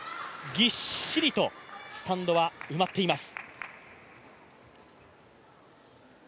ぎっしりとスタンドは埋まっています。